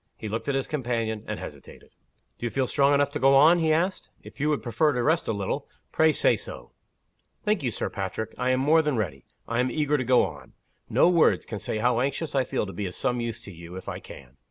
He looked at his companion, and hesitated. "Do you feel strong enough to go on?" he asked. "If you would prefer to rest a little, pray say so." "Thank you, Sir Patrick. I am more than ready, I am eager to go on. No words can say how anxious I feel to be of some use to you, if I can.